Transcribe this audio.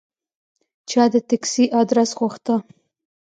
چا د تکسي آدرس غوښته.